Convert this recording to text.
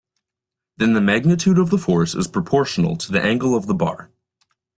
Then the magnitude of the force is proportional to the angle of the bar.